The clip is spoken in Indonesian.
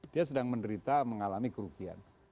dia sedang menderita mengalami kerugian